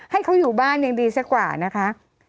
ให้เขาอยู่บ้านยังดีซะกว่านะคะ